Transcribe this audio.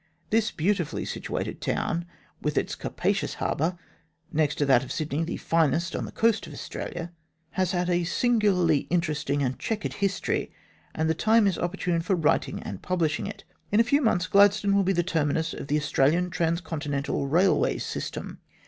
This beautifully situated town, with its capacious harbour next to that of Sydney the finest on the coast of Australia has had a singularly interesting and chequered history, and the time is opportune for writing and publishing it. In a few months Gladstone will be the terminus of the Australian transcontinental railway system.